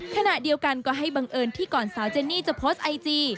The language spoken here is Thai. ขณะเดียวกันก็ให้บังเอิญที่ก่อนสาวเจนนี่จะโพสต์ไอจี